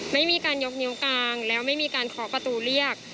ไม่มีการยกนิ้วกลางไม่มีการขอประตูเรียก